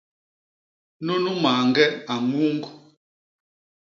Nunu mañge a ñuñg.